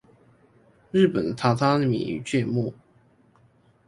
日本的榻榻米與芥末